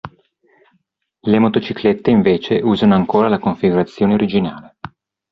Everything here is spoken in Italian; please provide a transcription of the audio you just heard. Le motociclette, invece, usano ancora la configurazione originale.